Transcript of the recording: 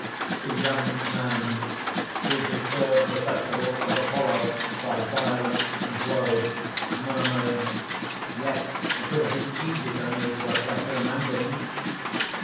_) THE YOUNG MAN (who disturbed the festival of Apollo by violence and blows, murmurs: ) "Yet it would have been easy for me to have fled to the mountains!"